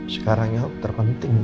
sekarang yang terpenting